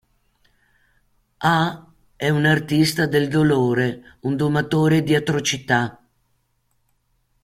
A., è un artista del dolore, un domatore di atrocità.